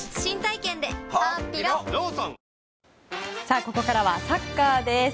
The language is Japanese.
ここからはサッカーです。